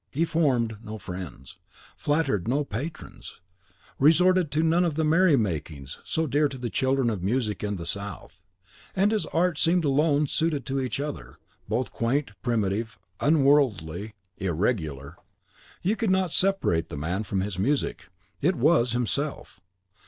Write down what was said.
He formed no friends, flattered no patrons, resorted to none of the merry makings so dear to the children of music and the South. He and his art seemed alone suited to each other, both quaint, primitive, unworldly, irregular. You could not separate the man from his music; it was himself.